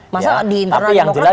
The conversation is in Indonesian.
mas ahaya di internal demokrat